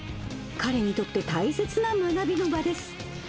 彼にとって大切な学びの場です。